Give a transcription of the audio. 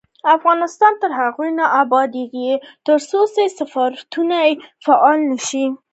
افغانستان تر هغو نه ابادیږي، ترڅو سفارتونه فعال نشي.